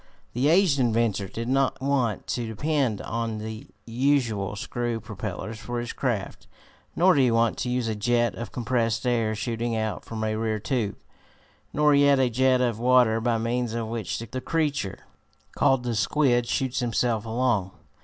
The aged inventor did not want to depend on the usual screw propellers for his craft, nor did he want to use a jet of compressed air, shooting out from a rear tube, nor yet a jet of water, by means of which the creature called the squid shoots himself along.